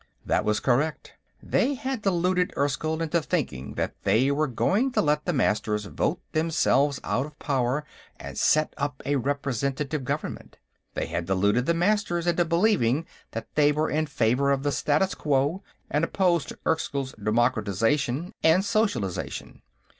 That was correct. They had deluded Erskyll into thinking that they were going to let the Masters vote themselves out of power and set up a representative government. They had deluded the Masters into believing that they were in favor of the status quo, and opposed to Erkyll's democratization and socialization.